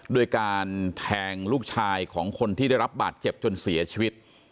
ด้วยการแทงลูกชายของคนที่ได้รับบาดเจ็บจนเสียชีวิต